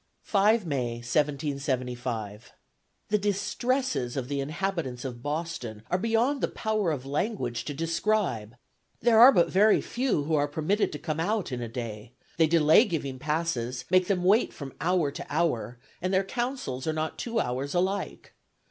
"5 May, 1775. "The distresses of the inhabitants of Boston are beyond the power of language to describe; there are but very few who are permitted to come out in a day; they delay giving passes, make them wait from hour to hour, and their counsels are not two hours alike.